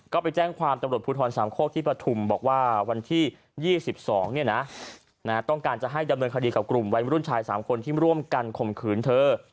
ก็ไปแจ้งความตำรวจภูทรสามโคกที่ปฐุมบอกว่าวันที่๒๒ต้องการจะให้ดำเนินคดีกับกลุ่มวัยมรุ่นชาย๓คนที่ร่วมกันข่มขืนเธอ